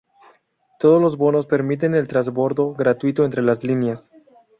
Todos los bonos permiten el trasbordo gratuito entre las líneas.